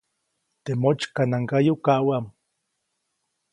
Teʼ motsykanaŋgayu kaʼuʼam.